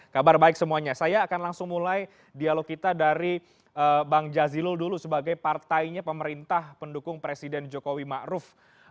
kabar baik semuanya saya akan langsung mulai dialog kita dari bang jazilul dulu sebagai partainya pemerintah pendukung presiden jokowi ⁇ maruf ⁇